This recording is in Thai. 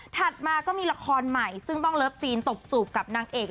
มาก็มีละครใหม่ซึ่งต้องเลิฟซีนตบจูบกับนางเอก